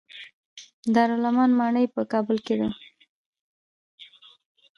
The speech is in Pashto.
د دارالامان ماڼۍ په کابل کې ده